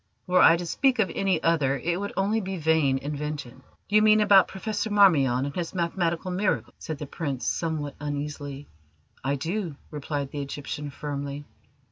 Were I to speak of any other it would only be vain invention." "You mean about Professor Marmion and his mathematical miracles?" said the Prince somewhat uneasily. "I do," replied the Egyptian firmly.